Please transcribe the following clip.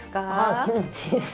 あ気持ちいいです。